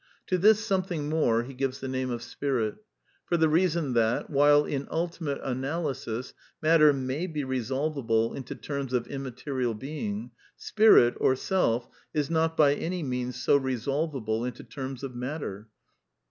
To this Something More he gives the name of Spirit; for the reason that while, in ultimate analysis, matter may be resolvable into terms of immaterial being; spirit, or self, is not by any means so resolvable into terms of matter.